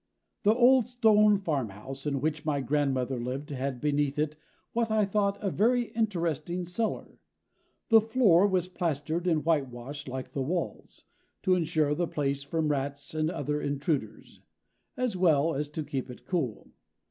The old stone farm house in which my grandmother lived had beneath it what I thought a very interesting cellar. The floor was plastered and whitewashed like the walls, to ensure the place from rats and other intruders, as well as to keep it cool.